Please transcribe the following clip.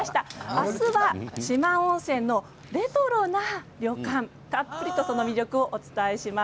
まずは四万温泉のレトロな旅館たっぷりとその魅力をお伝えします。